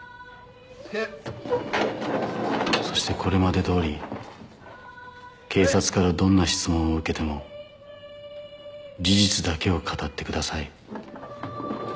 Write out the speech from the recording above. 気をつけ「そしてこれまで通り警察からどんな質問を受けても事実だけを語ってください」